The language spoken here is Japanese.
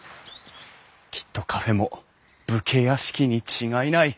きっとカフェも武家屋敷に違いない。